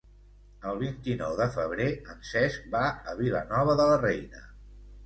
El vint-i-nou de febrer en Cesc va a Vilanova de la Reina.